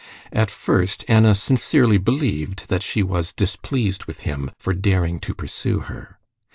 At first Anna sincerely believed that she was displeased with him for daring to pursue her.